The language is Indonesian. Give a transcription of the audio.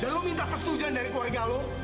dan lo minta kesetujuan dari keluarga lo